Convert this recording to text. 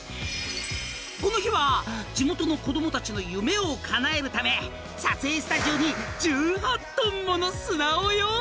［この日は地元の子供たちの夢をかなえるため撮影スタジオに１８ｔもの砂を用意］